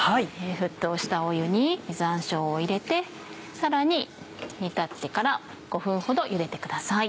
沸騰した湯に実山椒を入れてさらに煮立ってから５分ほどゆでてください。